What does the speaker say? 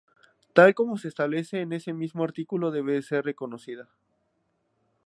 Tal como se establece en ese mismo artículo, debe ser reconocida.